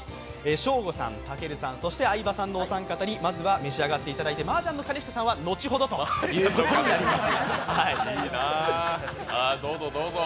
ショーゴさん、たけるさん、そして相葉さんのお三方にまずは召し上がっていただいてマージャンの兼近さんは後ほどということになります。